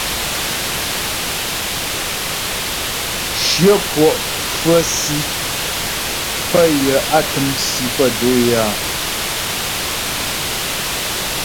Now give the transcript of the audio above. Shyə kwɔ' fə̌ si pə́ yə á təm si pə́ do'o é áa.